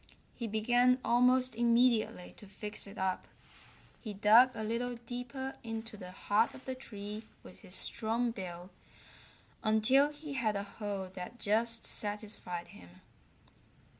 He began almost immediately to fix it up. He dug a little deeper into the heart of the tree with his strong bill until he had a hole that just satisfied him.